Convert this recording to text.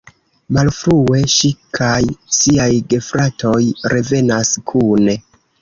Malfrue, ŝi kaj siaj gefratoj revenas kune.